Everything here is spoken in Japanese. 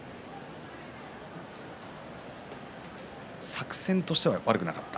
作戦としては悪くなかった。